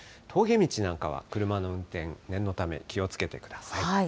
峠道なんかは、車の運転、念のため、気をつけてください。